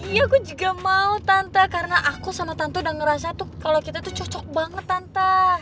iya aku juga mau tante karena aku sama tante udah ngerasa tuh kalau kita tuh cocok banget tante